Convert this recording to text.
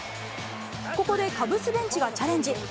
ここでカブスベンチがチャレンジ。